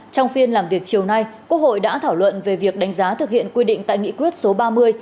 trong phiên làm việc chiều nay quốc hội đã thảo luận về việc đánh giá thực hiện quy định tại nghị quyết số ba mươi